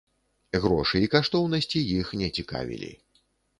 Грошы і каштоўнасці іх не цікавілі.